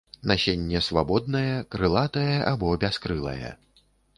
Насенне свабоднае, крылатае або бяскрылае.